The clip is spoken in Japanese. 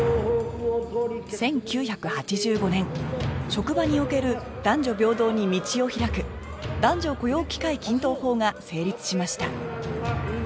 １９８５年職場における男女平等に道を開く男女雇用機会均等法が成立しました